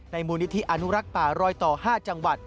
มูลนิธิอนุรักษ์ป่ารอยต่อ๕จังหวัด